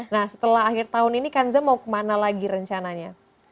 nah setelah akhir tahun ini kanza mau kemana lagi rencananya